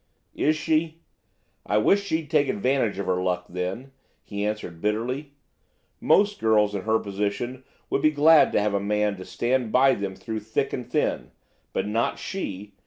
"Is she? I wish she'd take advantage of her luck, then," he answered bitterly. "Most girls in her position would be glad to have a man to stand by them through thick and thin. But not she!